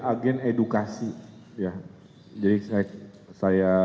agen edukasi ya jadi saya